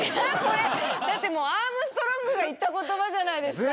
だってアームストロングが言った言葉じゃないですかあれ。